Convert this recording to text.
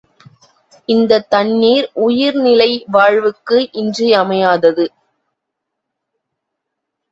இந்தத் தண்ணீர் உயிர்நிலை வாழ்வுக்கு இன்றியமையாதது.